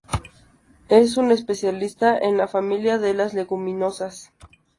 Es un especialista en la familia de las leguminosas.